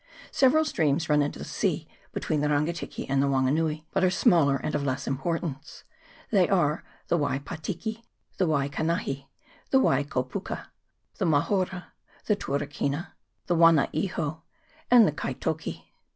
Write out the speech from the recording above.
Several streams run into the sea between the Rangitiki and the Wanganui, but are smaller and of less importance : they are the Wai Patiki, the Waikanahi, the Wai Kopuka, the Mahora, the Turakina, the Wangaiho, and the Kaitoki.